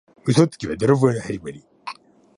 嘘つきは泥棒のはじまり。